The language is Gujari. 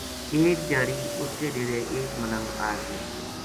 ایک دھیاڑی اس کے ڈیرے ایک ملنگ آ گیو